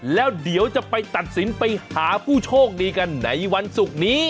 แล้วเดี๋ยวจะไปตัดสินไปหาผู้โชคดีกันในวันศุกร์นี้